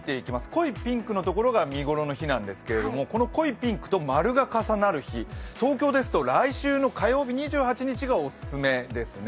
濃いピンクのところが見頃の日なんですが、この濃いピンクと○が重なる日、東京ですと来週火曜日２８日がおすすめですね。